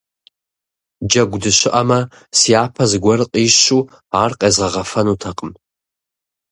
Джэгу дыщыӀэмэ, сяпэ зыгуэр къищу ар къезгъэгъэфэнутэкъым.